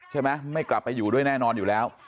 ไม่กลับไปอยู่ด้วยแน่นอนอยู่แล้ว